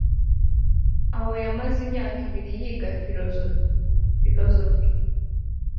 aho yamaze imyaka ibiri yiga Filosofi (Philosophy)